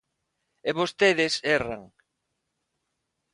E vostedes erran.